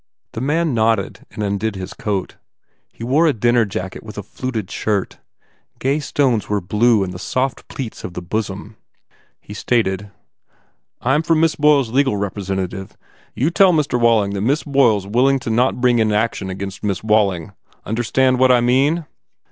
The man nodded and undid his coat. He wore a dinner jacket with a fluted shirt. Gay stones were blue in the soft pleats of the bosom. He stated, "I m from Miss Boyle legal represent ative. You tell Mr. Walling that Miss Boyle s 268 THE IDOLATER willing to not bring an action against Miss Wall ing Understand what I mean?"